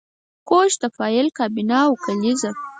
کوچ د فایل کابینه او کلیزه